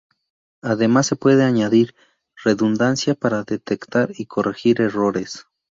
Además se puede añadir redundancia para detectar y corregir errores.